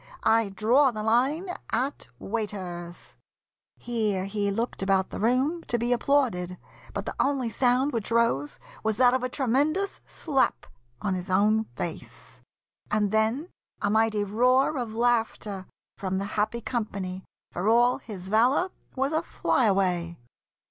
I draw the line At waiters." Here he looked about the room To be applauded; but the only sound Which rose was that of a tremendous slap On his own face, and then a mighty roar Of laughter from the happy company, For all his valour was a fly away.